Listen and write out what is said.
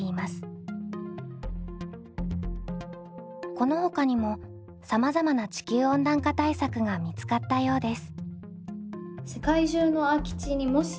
このほかにもさまざまな地球温暖化対策が見つかったようです。